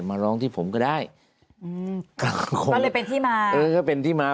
มาร้องที่ผมก็ได้อืมก็เลยเป็นที่มาเออก็เป็นที่มา